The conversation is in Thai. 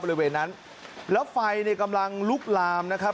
บริเวณนั้นแล้วไฟเนี่ยกำลังลุกลามนะครับ